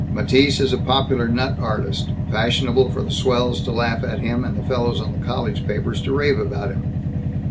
"Matisse is a popular nut artist. Fashionable for the swells to laugh at him, and the fellows on the college papers to rave about him.